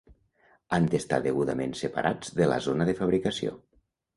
Han d'estar degudament separats de la zona de fabricació.